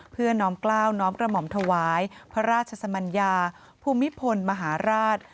น้อมกล้าวน้อมกระหม่อมถวายพระราชสมัญญาภูมิพลมหาราช